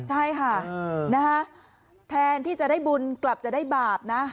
ใช่ค่ะแทนที่จะได้บุญกลับจะได้บาปนะ